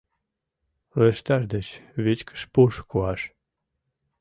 Лышташ деч вичкыж пуш куаш